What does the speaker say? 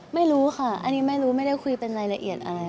ไม่รู้ค่ะอันนี้ไม่รู้ไม่ได้คุยเป็นรายละเอียดอะไร